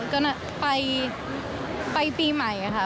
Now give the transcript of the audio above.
ก็ไปปีใหม่ค่ะ